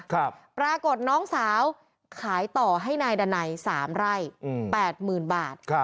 ปรากฏน้องสาวขายต่อให้นายดันัยสามไร่อืมแปดหมื่นบาทครับ